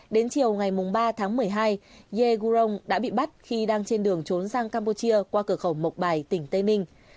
đến chiều ngày ba tháng một mươi hai ye gurong đã bị bắt khi đang trên đường trốn sang campuchia qua cửa khẩu mộc bài tỉnh tây minh